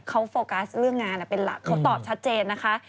เขาโฟกัสเรื่องงานเป็นหลักเขาตอบชัดเจนนะคะ